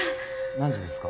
何時ですか？